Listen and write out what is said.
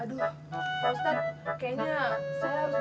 aduh pak ustadz